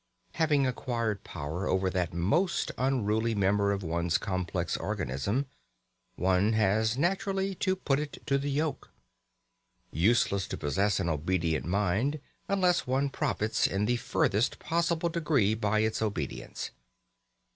Having acquired power over that most unruly member of one's complex organism, one has naturally to put it to the yoke. Useless to possess an obedient mind unless one profits to the furthest possible degree by its obedience.